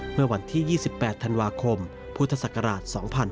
เมื่อวันที่๒๘ธันวาคมพุทธศักราช๒๕๕๙